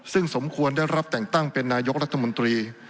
ซึ่งสมควรได้รับแต่งตั้งเป็นนายกรัฐมนตรี